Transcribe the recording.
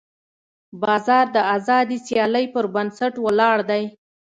بازار د ازادې سیالۍ پر بنسټ ولاړ دی.